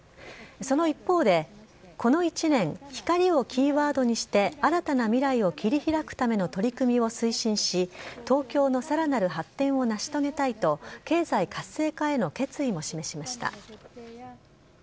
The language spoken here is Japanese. その一方で、この１年、光をキーワードにして、新たな未来を切り開くための取り組みを推進し、東京のさらなる発展を成し遂げたいと、経済活性化への決意を示しました。